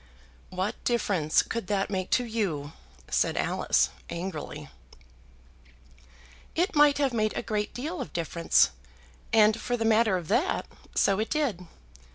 "What difference could that make to you?" said Alice, angrily. "It might have made a great deal of difference. And, for the matter of that, so it did.